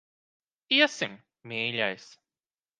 Iesim, mīļais.